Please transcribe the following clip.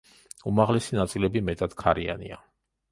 უმაღლესი ნაწილები მეტად ქარიანია.